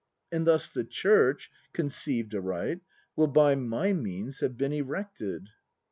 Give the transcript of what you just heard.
And thus the Church, conceived aright. Will by m y means have been erected